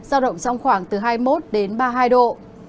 giao động trong khoảng hai mươi một ba mươi hai độ